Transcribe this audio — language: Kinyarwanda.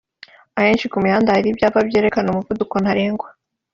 Ahenshi ku mihanda hari ibyapa byerekana umuvuduko ntarengwa